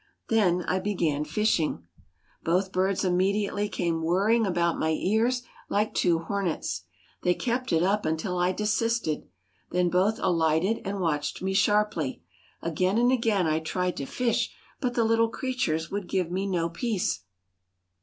Then I began fishing. Both birds immediately came whirring about my ears like two hornets. They kept it up until I desisted. Then both alighted and watched me sharply. Again and again I tried to fish, but the little creatures would give me no peace.